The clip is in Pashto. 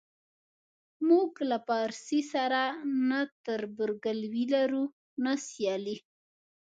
موږ له پارسي سره نه تربورګلوي لرو نه سیالي.